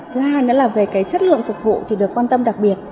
thứ hai nữa là về chất lượng phục vụ thì được quan tâm đặc biệt